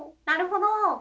「なるほど」。